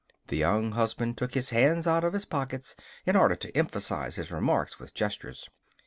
The Young Husband took his hands out of his pockets in order to emphasize his remarks with gestures.